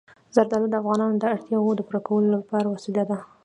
زردالو د افغانانو د اړتیاوو د پوره کولو وسیله ده.